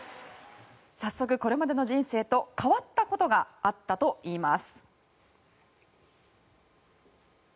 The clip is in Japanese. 早速これまでの人生と変わったことがあったといいます。